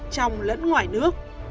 trong lẫn ngoài nước